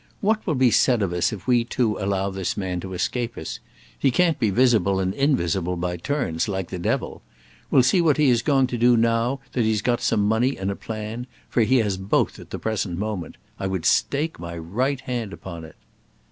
What will be said of us if we two allow this man to escape us? He can't be visible and invisible by turns, like the devil. We'll see what he is going to do now that he's got some money and a plan for he has both at the present moment. I would stake my right hand upon it."